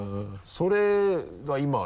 それが今ね